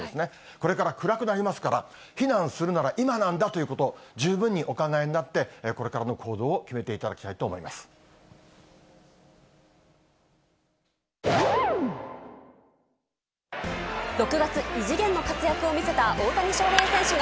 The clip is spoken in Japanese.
これから暗くなりますから、避難するなら今なんだということを、十分にお考えになって、これからの行動を決めていただき三井ショッピングパークららぽーと